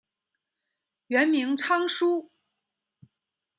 原名昌枢。